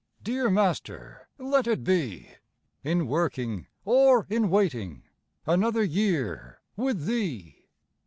Dear Master, let it be In working or in waiting, Another year with Thee.